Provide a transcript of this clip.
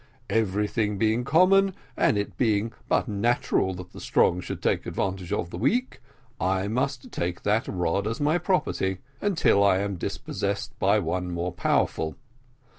Everything being common, and it being but natural that the strong should take advantage of the weak, I must take that rod as my property, until I am dispossessed by one more powerful.